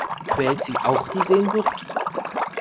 Quält Sie auch die Sehnsucht?